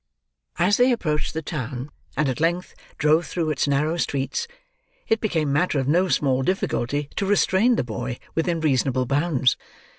As they approached the town, and at length drove through its narrow streets, it became matter of no small difficulty to restrain the boy within reasonable bounds.